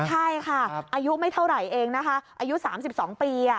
ใช่ค่ะอายุไม่เท่าไหร่เองนะคะอายุ๓๒ปี